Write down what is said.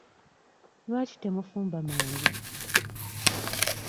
Lwaki temufumba mangu?